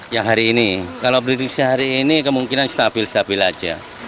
yang hari ini kalau prediksi hari ini kemungkinan stabil stabil aja